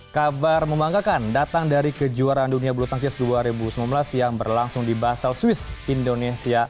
kabar membanggakan datang dari kejuaraan dunia bulu tangkis dua ribu sembilan belas yang berlangsung di basel swiss indonesia